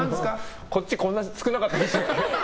こっちこんな少なかったでしたっけ？